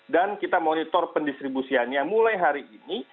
dan kita monitor pendistribusiannya mulai hari ini